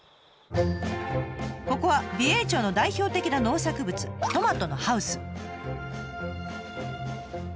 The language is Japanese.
ここは美瑛町の代表的な農作物トマトのハウス。